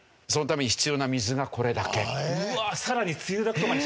そのために必要な水がこれだけ。